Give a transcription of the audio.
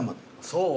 そう？